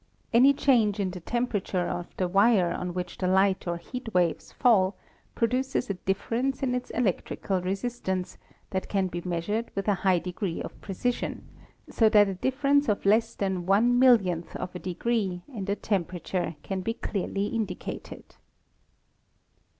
Any change in the temperature of tte wire on which the light or heat waves fall produces a difference in its electrical re sistance that can be measured with a high degree of pre cision, so that a difference of less than one millionth of a degree in the temperature can be clearly indicated.